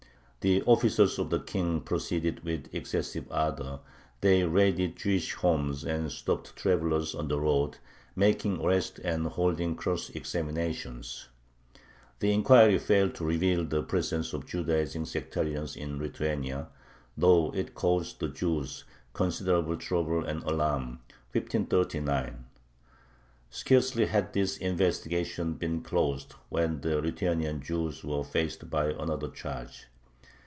The officers of the King proceeded with excessive ardor; they raided Jewish homes, and stopped travelers on the road, making arrests and holding cross examinations. The inquiry failed to reveal the presence of Judaizing sectarians in Lithuania, though it caused the Jews considerable trouble and alarm (1539). Scarcely had this investigation been closed when the Lithuanian Jews were faced by another charge.